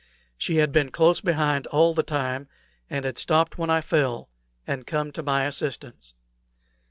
She had been close behind all the time, and had stopped when I fell, and come to my assistance.